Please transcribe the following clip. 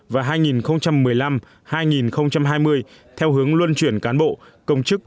hai nghìn một mươi hai nghìn một mươi năm và hai nghìn một mươi năm hai nghìn hai mươi theo hướng luân chuyển cán bộ công chức